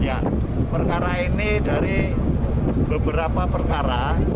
ya perkara ini dari beberapa perkara